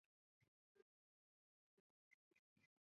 施塔瑙是德国图林根州的一个市镇。